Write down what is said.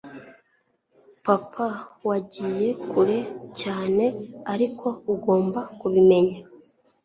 papa, wagiye kure cyane, ariko ugomba kubimenya